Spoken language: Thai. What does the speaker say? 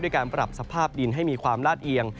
การปรับสภาพดินให้มีความลาดเอียง